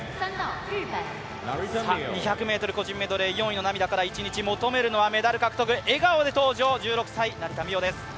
２００ｍ個人メドレー、４位の涙から求めるのはメダル獲得笑顔で登場、１６歳、成田実生です。